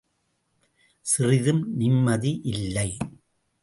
சிறிதும் நிம்மதி இல்லை.